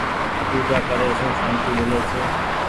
پوجآ ڪري سون سانتي ميلي ڇي۔